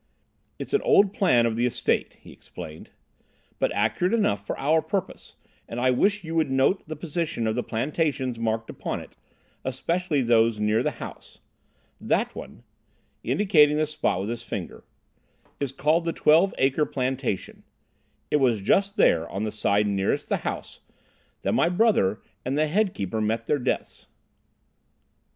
"It's an old plan of the estate," he explained, "but accurate enough for our purpose, and I wish you would note the position of the plantations marked upon it, especially those near the house. That one," indicating the spot with his finger, "is called the Twelve Acre Plantation. It was just there, on the side nearest the house, that my brother and the head keeper met their deaths."